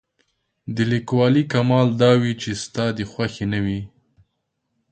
د لیکوالۍ کمال دا وي چې ستا د خوښې نه وي.